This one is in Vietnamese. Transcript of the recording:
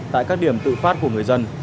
tại các điểm tự phát của người dân